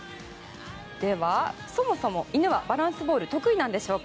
では、そもそも、犬はバランスボール得意なんでしょうか？